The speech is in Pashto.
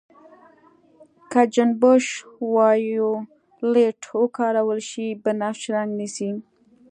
که جنشن وایولېټ وکارول شي بنفش رنګ نیسي.